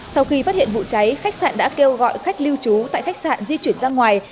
sau khi phát hiện vụ cháy khách sạn đã kêu gọi khách lưu trú tại khách sạn di chuyển ra ngoài